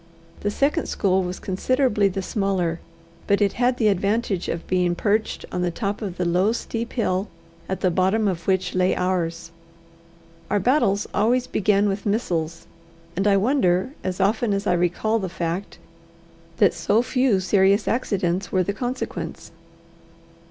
The second school was considerably the smaller, but it had the advantage of being perched on the top of the low, steep hill at the bottom of which lay ours. Our battles always began with missiles; and I wonder, as often as I recall the fact, that so few serious accidents were the consequence.